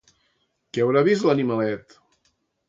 Què haurà vist l'animalet!